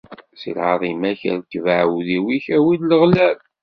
Di lɛaḍima-k, rkeb aɛawdiw-ik, awi-d leɣlab!